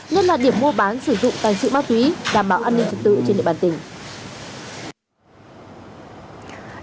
nhất là điểm mua bán sử dụng tài sự ma túy đảm bảo an ninh trật tự trên địa bàn tỉnh